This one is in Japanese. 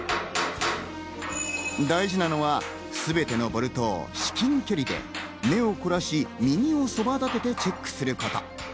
大事なのは全てのボルトを至近距離で目を凝らし、耳をそばだててチェックすること。